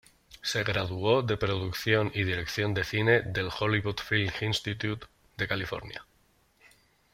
Se graduó de Producción y Dirección de Cine del Hollywood Film Institute de California.